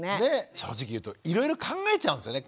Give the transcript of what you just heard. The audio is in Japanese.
正直言うといろいろ考えちゃうんですよね